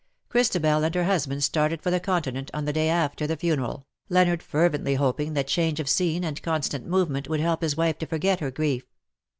Christabel and her husband started for the Con tinent on the day after the funeral^ Leonard fer vently hoping that change of scene and constant movement would help his wife to forget her grief.